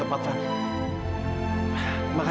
ambil ganti tuhan